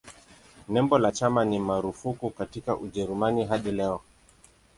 Nembo la chama ni marufuku katika Ujerumani hadi leo.